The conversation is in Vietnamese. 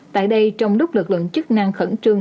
tại đây trong lúc lực lượng chức năng khẩn trương